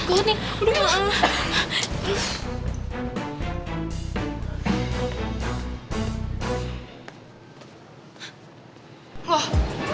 aduh gawat nih